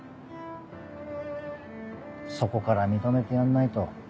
そこから認めてやんないと。